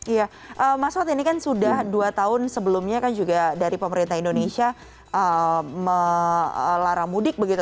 iya mas wad ini kan sudah dua tahun sebelumnya kan juga dari pemerintah indonesia melarang mudik begitu